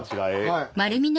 はい。